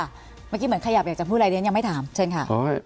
เมื่อกี้เหมือนขยับอยากจะพูดอะไรเรียนยังไม่ถามเชิญค่ะ